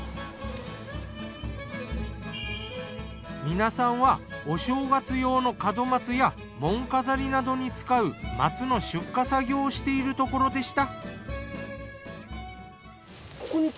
皆さんはお正月用の門松や門飾りなどに使う松の出荷作業をしているところでした。